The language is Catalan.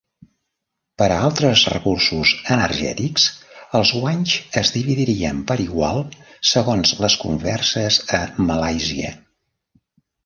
Per a altres recursos energètics, els guanys es dividirien per igual segons les converses a Malàisia.